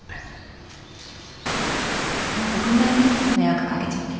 何かごめんね迷惑かけちゃって。